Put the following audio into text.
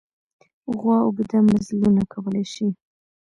غوا اوږده مزلونه کولی شي.